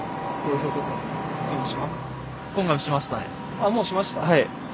あっもうしました？